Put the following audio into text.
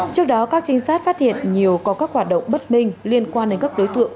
trước đó các trinh sát phát hiện nhiều có các hoạt động bất minh liên quan đến các đối tượng